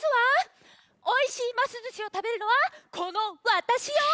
おいしいますずしをたべるのはこのわたしよ！